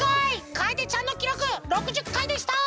かえでちゃんのきろく６０かいでした！